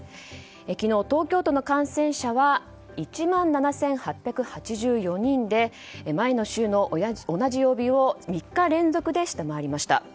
昨日、東京都の感染者は１万７８８４人で前の週の同じ曜日を３日連続で下回りました。